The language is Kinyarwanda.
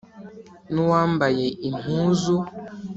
n'uwambaye impuzu